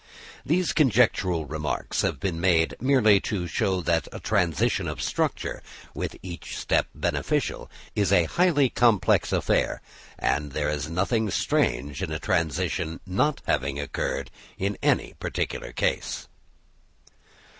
These conjectural remarks have been made merely to show that a transition of structure, with each step beneficial, is a highly complex affair; and that there is nothing strange in a transition not having occurred in any particular case.